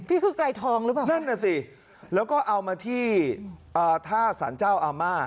นี่คือไกลทองหรือเปล่านั่นน่ะสิแล้วก็เอามาที่ท่าสารเจ้าอาม่า